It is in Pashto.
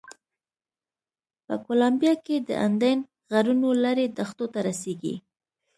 په کولمبیا کې د اندین غرونو لړۍ دښتو ته رسېږي.